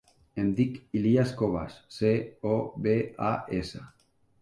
Em dic Ilías Cobas: ce, o, be, a, essa.